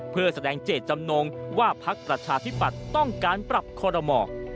เพื่อแสดงเจตจำนงว่าพักประชาธิปัตย์ต้องการปรับคอรมอ